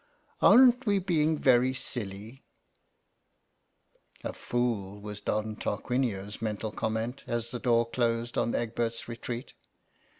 " Aren't we being very silly ?"" A fool " was Don Tarquinio's mental comment as the door closed on Egbert's retreat.